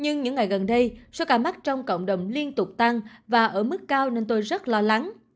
nhưng những ngày gần đây số ca mắc trong cộng đồng liên tục tăng và ở mức cao nên tôi rất lo lắng